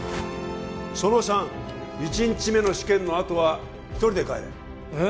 その３１日目の試験のあとは一人で帰れえっ